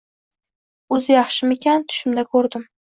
O’zi yaxshimikan, tushimda ko’rdim